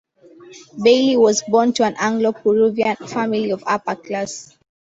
Bayly was born to an Anglo-Peruvian family of upper class.